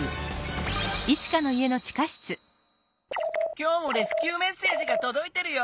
今日もレスキューメッセージがとどいてるよ。